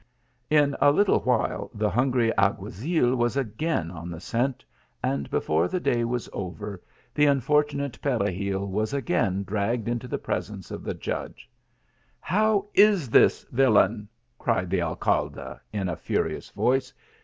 In a little while the hungry alguazil was again on the scent, and before the day was over, the unfortunate THE MOORS LEGACY. < 177 Peregil was again dragged into the presence of the judge. " How is this, villain !" cried the Alcalde in a furious voice.